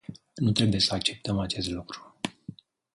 Nu trebuie să acceptăm acest lucru.